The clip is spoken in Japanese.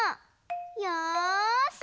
よし！